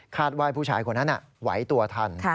ว่าผู้ชายคนนั้นไหวตัวทัน